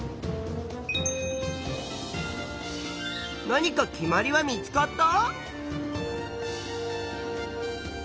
何か決まりは見つかった？